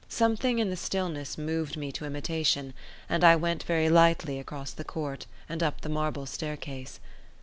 Something in the stillness moved me to imitation, and I went very lightly across the court and up the marble staircase.